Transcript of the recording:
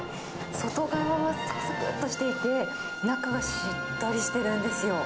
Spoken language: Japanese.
外側はさくさくっとしていて、中はしっとりしてるんですよ。